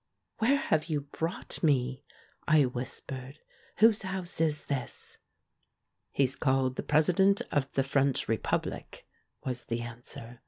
"Where have you brought me?" I whispered. "Whose house is this?" "He's called the President of the French Re public," was the answer.